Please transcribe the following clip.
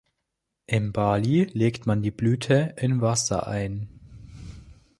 In Bali legt man die Blüte in Wasser ein.